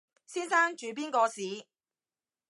先生住邊個巿？